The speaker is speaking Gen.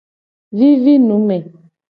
Vivi nu me.